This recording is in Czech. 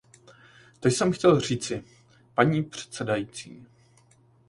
To jsem chtěl říci, paní předsedající.